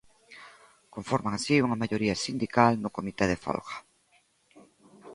Conforman así unha maioría sindical no comité de folga.